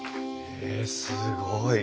へえすごい。